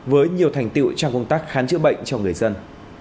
với nhiều thành tiệu trong công tác khám chữa bệnh cho người dân